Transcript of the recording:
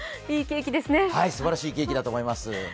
はい、すばらしいケーキだと思います！